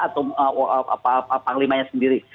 atau panglimanya sendiri